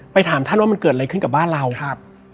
ถามท่านว่ามันเกิดอะไรขึ้นกับบ้านเราครับ